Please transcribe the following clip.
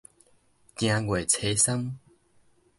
正月初三